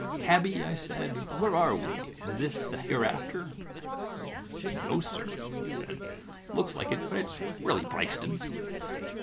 *" Cabby, I said, where are we ? Is this the hereafter ?*" No, sir,'* he said. " Looks like it, but it's really Brixton." * The